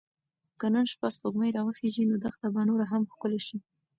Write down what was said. که نن شپه سپوږمۍ راوخیژي نو دښته به نوره هم ښکلې شي.